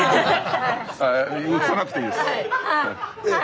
映さなくていいです。